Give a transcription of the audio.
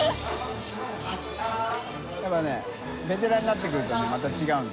やっぱねベテランになってくるとまた違うの。